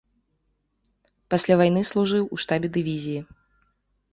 Пасля вайны служыў у штабе дывізіі.